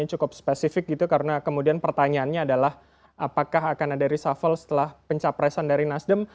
cukup spesifik gitu karena kemudian pertanyaannya adalah apakah akan ada reshuffle setelah pencapresan dari nasdem